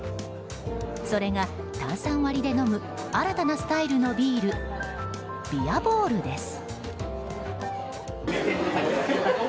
それが炭酸割りで飲む新たなスタイルのビールビアボールです。